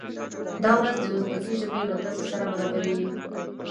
دا ورځ د ازبکي ژبې له ورځې سره برابریږي.